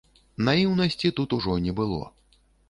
Наіўнасці тут ужо не было.